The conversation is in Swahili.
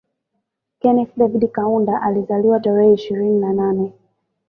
Kenneth David Kaunda alizaliwa tarehe ishirini na nane